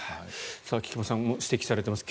菊間さん指摘されています